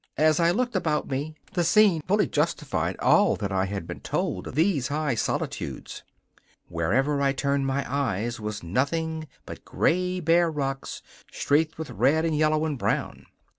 As I looked about me the scene fully justified all that I had been told of these high solitudes. Wherever I turned my eyes was nothing but gray, bare rocks streaked with red and yellow and brown.